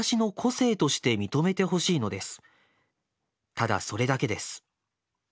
ただそれだけです。